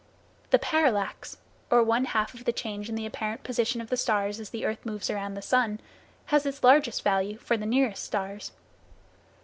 The parallax, or one half of the change in the apparent position of the stars as the earth moves around the sun, has its largest value for the nearest stars.